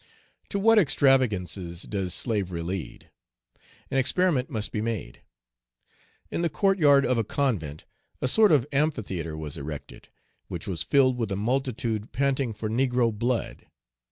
To what extravagances does slavery lead! An experiment must be made. In the court yard of a convent a sort of amphitheatre was erected, which was filled with a multitude panting for negro blood.